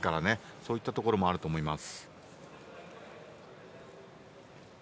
そういったところもあると思います。